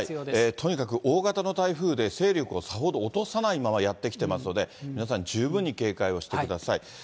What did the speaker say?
とにかく大型の台風で、勢力をさほど落とさないままやって来てますので、皆さん十分に警戒をしてください。